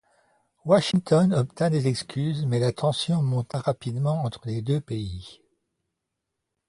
Washington obtint des excuses mais la tension monta rapidement entre les deux pays.